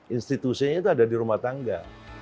institusinya itu ada di rumah tangga